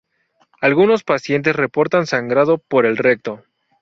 Algunos pacientes reportan sangrado por el recto.